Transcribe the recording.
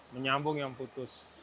menyambung yang putus